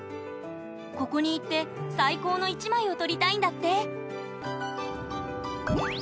ここに行って最高の１枚を撮りたいんだって！